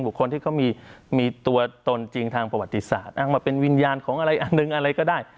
คนที่เขามีตัวตนจริงทางประวัติศาสตร์อ้างว่าเป็นวิญญาณของอะไรอันหนึ่งอะไรก็ได้